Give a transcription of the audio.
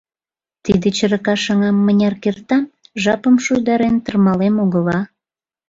— Тиде чырыкаш аҥам мыняр кертам, жапым шуйдарен тырмалем огыла».